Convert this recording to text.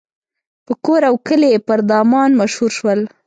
په کور او کلي پر دامان مشهور شول.